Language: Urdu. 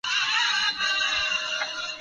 گوئرنسی